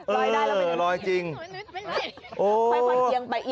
เออรอยจริงแล้วทำไมหันอยู่กัน